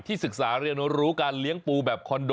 ศึกษาเรียนรู้การเลี้ยงปูแบบคอนโด